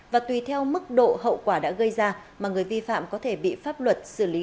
và tùy theo mức độ hậu quả đã gây ra mà người vi phạm có thể bị pháp luật xử lý